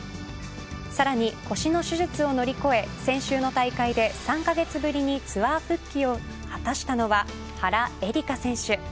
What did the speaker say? さらに腰の手術を乗り越え先週の大会で３カ月ぶりにツアー復帰を果たしたのは原英莉花選手。